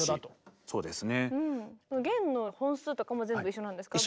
弦の本数とかも全部一緒なんですか？